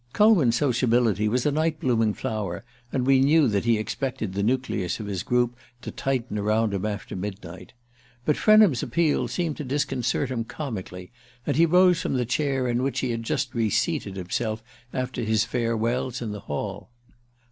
Culwin's sociability was a night blooming flower, and we knew that he expected the nucleus of his group to tighten around him after midnight. But Frenham's appeal seemed to disconcert him comically, and he rose from the chair in which he had just reseated himself after his farewells in the hall.